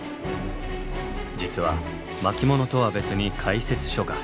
実は巻物とは別に解説書が。